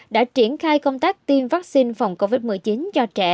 đã triển khai công tác tiêm vaccine phòng covid một mươi chín cho trẻ